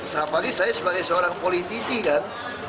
saya pagi sebagai seorang politisi kan